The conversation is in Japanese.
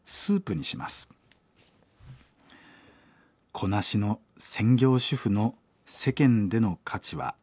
子なしの専業主婦の世間での価値はありません。